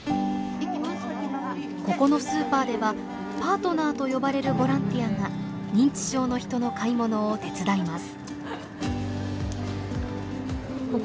ここのスーパーではパートナーと呼ばれるボランティアが認知症の人の買い物を手伝います。